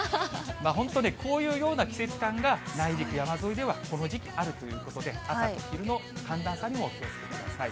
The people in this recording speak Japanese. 本当ね、こういうような季節感が内陸、山沿いではこの時期、あるということで、朝と昼の寒暖差にもお気をつけください。